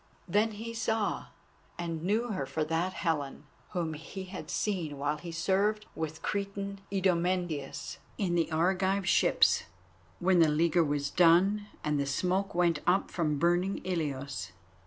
Then he saw and knew her for that Helen whom he had seen while he served with Cretan Idomeneus in the Argive ships, when the leaguer was done and the smoke went up from burning Ilios.